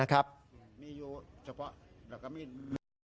ไม่มีเสาหลักแล้ว